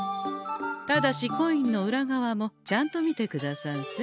ただしコインの裏側もちゃんと見てくださんせ。